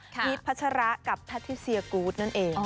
พีชพัชระกับแพทิเซียกูธนั่นเอง